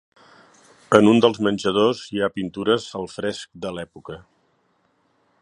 En un dels menjadors hi ha pintures al fresc de l'època.